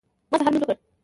ما سهار لمونځ وکړ.